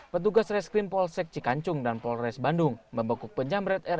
petugas reskrim polsek cikanjung dan polres bandung membekuk penjamret re dan ir